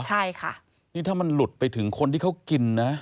ใช่ค่ะนี่ถ้ามันหลุดไปถึงคนที่เขากินนะ